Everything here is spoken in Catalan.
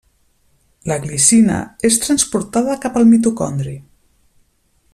La glicina és transportada cap al mitocondri.